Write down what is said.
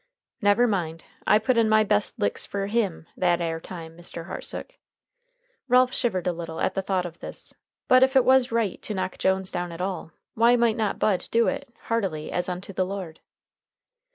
"Never mind; I put in my best licks fer Him that air time, Mr. Hartsook." Ralph shivered a little at thought of this, but if it was right to knock Jones down at all, why might not Bud do it "heartily as unto the Lord?"